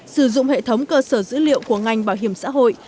sử dụng hệ thống cơ sở dữ liệu của ngành bảo hiểm xã hội